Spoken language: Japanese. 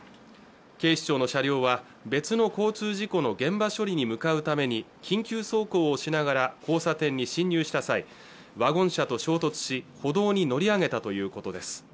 警視庁の車両は別の交通事故の現場処理に向かうために緊急走行をしながら交差点に進入した際ワゴン車と衝突し歩道に乗り上げたということです